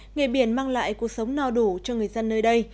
nghề biển mang lại cuộc sống no đủ cho người dân nơi đây